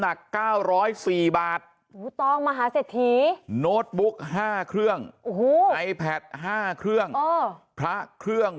๙๐๔บาทมหาเศรษฐีโน้ตบุ๊ก๕เครื่องไอแพท๕เครื่องพระเครื่อง